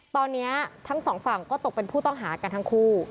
ตอนนี้ทั้งสองฝั่งก็ตกเป็นผู้ต้องหากันทั้งคู่